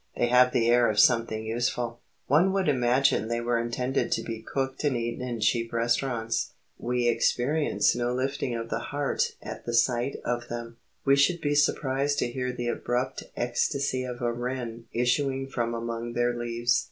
They have the air of something useful. One would imagine they were intended to be cooked and eaten in cheap restaurants. We experience no lifting of the heart at sight of them. We should be surprised to hear the abrupt ecstasy of a wren issuing from among their leaves.